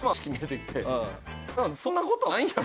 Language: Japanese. そんなことはないよ！